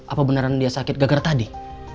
apa beneran dia sakit gara gara tadi